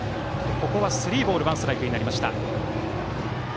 ここはスリーボールワンストライクになりました。